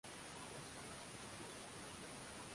umoja wa ulaya ya eu umesema hatimaye kwa mara kwanza